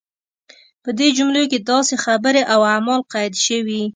په دې جملو کې داسې خبرې او اعمال قید شوي.